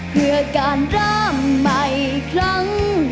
เพื่อการเริ่มใหม่อีกครั้ง